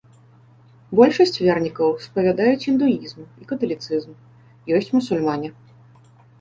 Большасць вернікаў спавядаюць індуізм і каталіцызм, ёсць мусульмане.